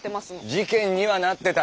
事件にはなってた。